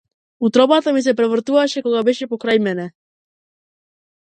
Утробата ми се превртуваше кога беше покрај мене.